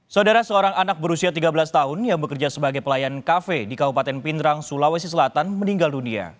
saudara seorang anak berusia tiga belas tahun yang bekerja sebagai pelayan kafe di kabupaten pindrang sulawesi selatan meninggal dunia